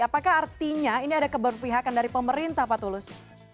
apakah artinya ini ada keberpihakan dari pemerintah pak tulus